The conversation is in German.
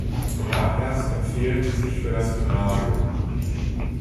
Danach erst empfehlen sie sich für das Gymnasium.